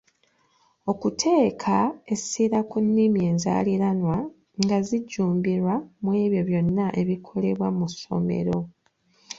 Okuteeka essira ku nnimi enzaaliranwa nga zijjumbirwa mwebyo byonna ebikolebwa mu ssomero.